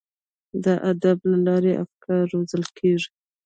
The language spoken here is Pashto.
د ادب له لارې افکار روزل کیږي.